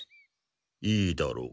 いいだろう。